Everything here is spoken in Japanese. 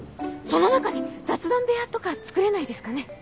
その中に雑談部屋とかつくれないですかね？